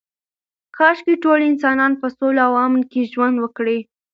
کاشکې ټول انسانان په سوله او امن کې ژوند وکړي.